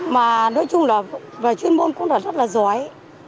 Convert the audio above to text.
mà nói chung là về chuyên môn cũng là rất là giỏi